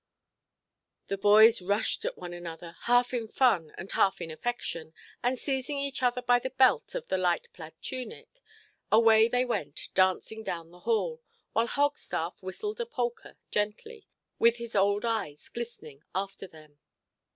The boys rushed at one another, half in fun and half in affection, and, seizing each other by the belt of the light–plaid tunic, away they went dancing down the hall, while Hogstaff whistled a polka gently, with his old eyes glistening after them.